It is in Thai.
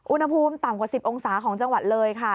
อุณหภูมิต่ำกว่า๑๐องศาของจังหวัดเลยค่ะ